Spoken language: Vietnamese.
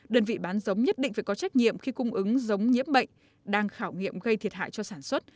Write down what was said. đơn vị bán giống nhất định phải có trách nhiệm khi cung ứng giống nhiễm bệnh đang khảo nghiệm gây thiệt hại cho sản xuất